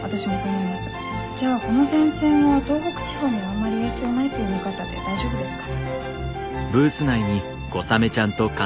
じゃあこの前線は東北地方にはあんまり影響ないという見方で大丈夫ですか？」